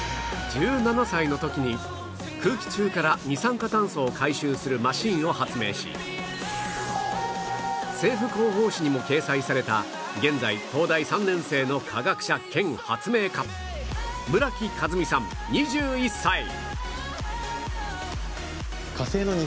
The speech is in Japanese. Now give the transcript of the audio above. １７歳の時に空気中から二酸化炭素を回収するマシーンを発明し政府広報誌にも掲載された現在東大３年生の科学者兼発明家村木風海さん２１歳